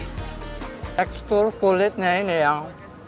tekstur kulitnya ini yang